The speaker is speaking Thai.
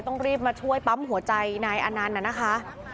ต้องรีบมาช่วยปั๊มหัวใจนายอนันต์น่ะนะคะ